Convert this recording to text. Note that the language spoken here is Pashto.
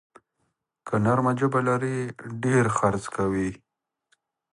که نرمه ژبه لرې، ډېر خرڅ کوې.